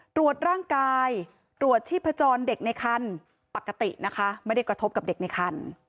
ตรวจร่างกายตรวจชีพจรเด็กในคันปกตินะคะไม่ได้กระทบกับเด็กในคัน